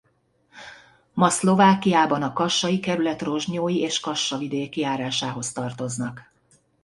Ma Szlovákiában a Kassai kerület Rozsnyói és Kassa-vidéki járásához tartoznak.